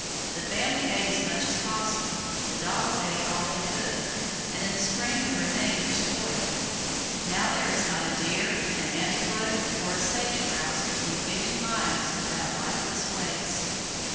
The family ate as much as possible, the dogs ate all they could, and in the spring the remainder spoiled. Now there is not a deer, an antelope, or a sage grouse within fifty miles of that lifeless waste.